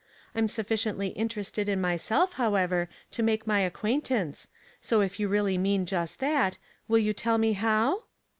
I am sufficiently interested in myself, however, to make my acquaintance ; so if you really mean just that, will you tell me how